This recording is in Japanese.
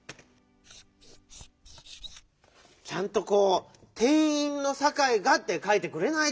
ちゃんとこう「てんいんのサカイが」ってかいてくれないと！